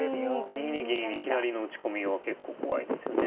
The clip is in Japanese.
２二銀にいきなりの打ち込みは結構怖いですよね。